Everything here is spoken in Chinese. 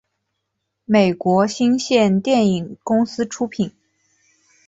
美国新线电影公司出品。